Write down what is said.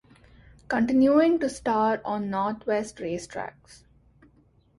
Continuing to star on northwest racetracks.